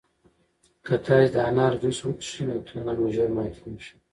که تاسي د انار جوس وڅښئ نو تنده مو ژر ماتیږي.